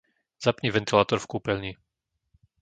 Zapni ventilátor v kúpeľni.